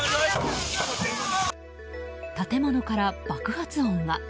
建物から爆発音が。